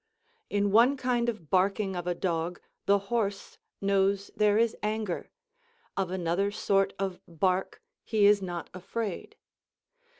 In one kind of barking of a dog the horse knows there is anger, of another sort of bark he is not afraid.